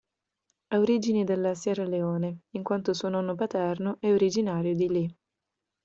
Ha origini della Sierra Leone in quanto suo nonno paterno è originario di lì.